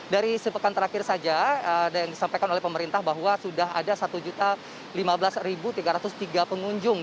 dari sepekan terakhir saja yang disampaikan oleh pemerintah bahwa sudah ada satu lima belas tiga ratus tiga pengunjung